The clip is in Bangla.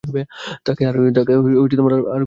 তাঁকে আর খুঁজে পাওয়া গেল না।